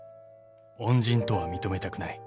［恩人とは認めたくない］